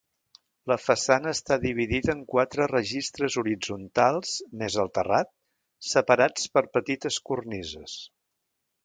La façana està dividida en quatre registres horitzontals, més el terrat, separats per petites cornises.